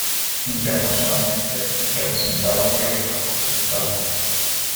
Internacionalmente, representaba y obligaba a su Estado.